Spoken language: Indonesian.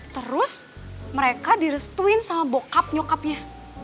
terus mereka direstuin sama bokap nyokapnya